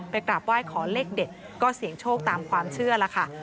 กราบไหว้ขอเลขเด็ดก็เสี่ยงโชคตามความเชื่อล่ะค่ะ